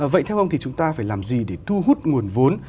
vậy theo ông thì chúng ta phải làm gì để thu hút nguồn vốn